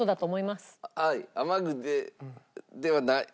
はい。